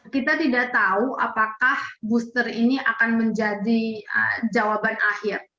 kita tidak tahu apakah booster ini akan menjadi jawaban akhir